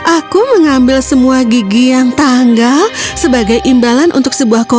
aku mengambil semua gigi yang tanggal sebagai imbalan untuk sebuah kota